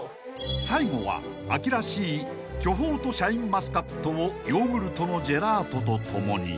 ［最後は秋らしい巨峰とシャインマスカットをヨーグルトのジェラートと共に］